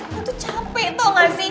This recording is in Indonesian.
gue tuh capek tau gak sih